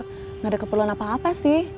kang komar gak ada keperluan apa apa sih